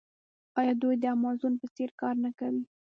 آیا دوی د امازون په څیر کار نه کوي؟